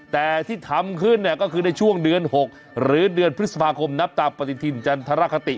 แต่ที่ทำขึ้นเนี่ยก็คือในช่วงเดือน๖หรือเดือนพฤษภาคมนับตามปฏิทินจันทรคติ